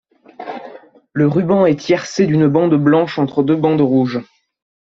Le ruban est tiercé d'une bande blanche entre deux bandes rouges.